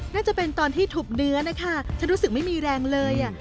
น่าจะเป็นตอนที่ถุบเนื้อนะคะฉันรู้สึกไม่มีแรงเลย